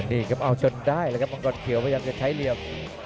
นี่ครับเอาชนได้เลยครับมังกรเขียวพยายามจะใช้เหลี่ยม